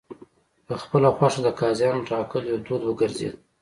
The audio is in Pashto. په خپله خوښه د قاضیانو ټاکل یو دود وګرځېد.